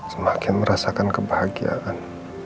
semakin merasakan kebahagiaan